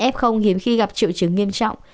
f hiếm khi gặp triệu chứng nghiêm trọng